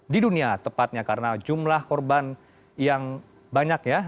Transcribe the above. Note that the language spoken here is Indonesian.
di dunia tepatnya karena jumlah korban yang banyak ya